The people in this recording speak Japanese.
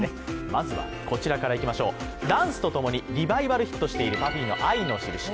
まずはこちらからいきましょう、ダンスとともにリバイバルヒットしているＰＵＦＦＹの「愛のしるし」。